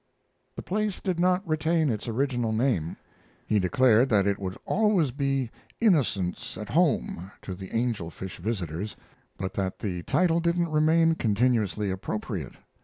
The place did not retain its original name. He declared that it would always be "Innocence at Home" to the angel fish visitors, but that the title didn't remain continuously appropriate.